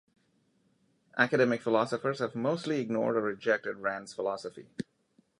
Academic philosophers have mostly ignored or rejected Rand's philosophy.